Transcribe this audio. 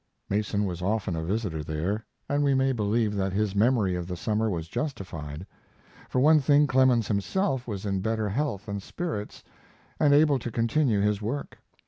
Mason was often a visitor there, and we may believe that his memory of the summer was justified. For one thing, Clemens himself was in better health and spirits and able to continue his work.